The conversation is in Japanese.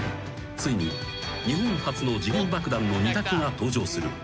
［ついに日本初の時限爆弾の二択が登場する］